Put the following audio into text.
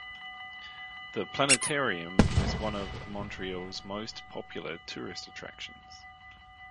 The Planetarium was one of Montreal's most popular tourist attractions.